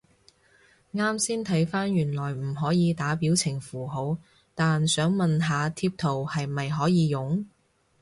啱先睇返原來唔可以打表情符號，但想問下貼圖係咪可以用？